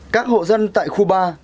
các hộ dân tại khu ba